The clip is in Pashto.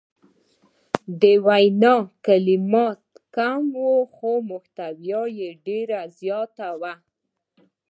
د وینا کلمات کم وو خو محتوا یې ډیره زیاته وه.